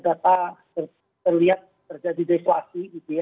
data terlihat terjadi deflasi gitu ya